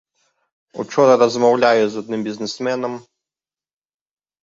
Учора размаўляю з адным бізнесменам.